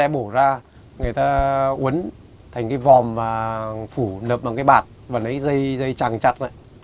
người ta bổ ra người ta uấn thành cái vòm phủ lập bằng cái bạch và lấy dây tràn chặt